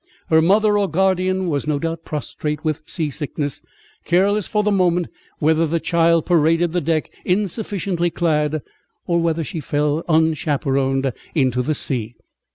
Her mother or guardian was no doubt prostrate with sea sickness, careless for the moment whether the child paraded the deck insufficiently clad, or whether she fell unchaperoned into the sea.